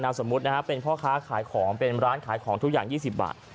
สมมุตินะฮะเป็นพ่อค้าขายของเป็นร้านขายของทุกอย่าง๒๐บาท